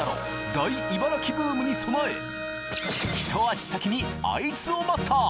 大茨城ブームに備えひと足先にアイツをマスター！